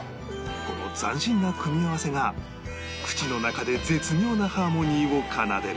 この斬新な組み合わせが口の中で絶妙なハーモニーを奏でる